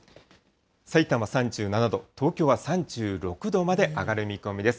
さいたま３７度、東京は３６度まで上がる見込みです。